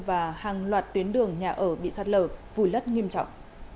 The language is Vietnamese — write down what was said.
và hàng loạt tuyến đường nhà ở bị sát lở vùi lất nghiêm trọng